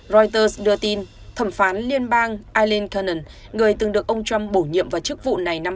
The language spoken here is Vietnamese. reuters đưa tin thẩm phán liên bang ireland centen người từng được ông trump bổ nhiệm vào chức vụ này năm hai nghìn hai mươi